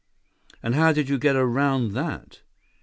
"And how did you get around that?"